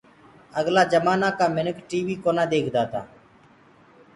اگلآ جمآنآ ڪآ منک ٽي وي ڪونآ ديکدآ تآ۔